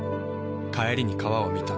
帰りに川を見た。